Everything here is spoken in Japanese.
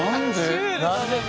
シュール。